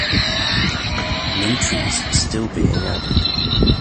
New trees are still being added.